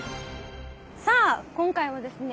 さあ今回はですね